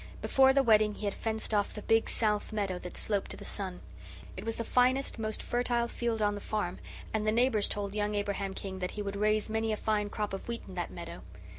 Before the wedding he had fenced off the big south meadow that sloped to the sun; it was the finest, most fertile field on the farm, and the neighbours told young Abraham King that he would raise many a fine crop of wheat in that meadow.